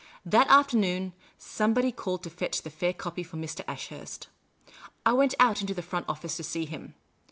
That afternoon, somebody called to fetch the fair copy for Mr. Ashurst. I went out into the front office to see him.